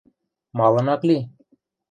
Малын ак ли?